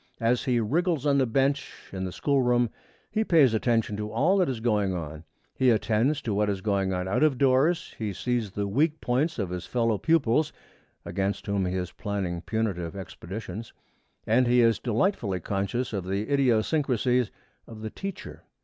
As he wriggles on the bench in the school room, he pays attention to all that is going on. He attends to what is going on out of doors; he sees the weak points of his fellow pupils, against whom he is planning punitive expeditions; and he is delightfully conscious of the idiosyncrasies of the teacher.